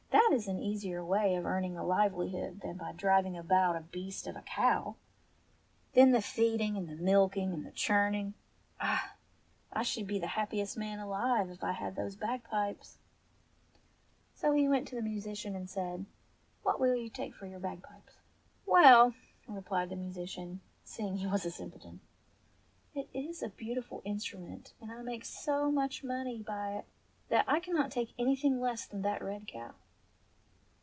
"That is an easier way of earning a livelihood than by driving about a beast of a cow ! Then the feeding, and the milking, and the churning ! Ah, I should be the happiest man alive if I had those bag pipes !" So he went up to the musician and said, "What will you take for your bagpipes .?" MR. AND MRS. VINEGAR 199 "Well," replied the musician, seeing he was a simpleton, it is a beautiful instrument and I make so much money by it, that I cannot take anything less than that red cow."